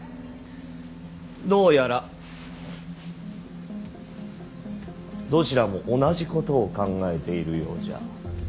どうやらどちらも同じことを考えているようじゃ。